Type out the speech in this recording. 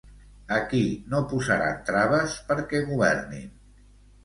A qui no posaran traves perquè governin?